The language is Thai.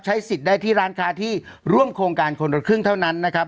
สิทธิ์ได้ที่ร้านค้าที่ร่วมโครงการคนละครึ่งเท่านั้นนะครับ